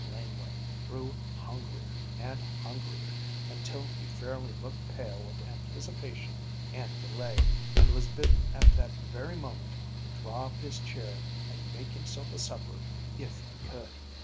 Laneway grew hungrier and hungrier, until he fairly looked pale with anticipation and delay, and was bidden at that very moment to draw up his chair and make himself a supper if he could.